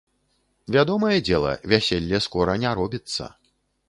Вядомае дзела, вяселле скора не робіцца.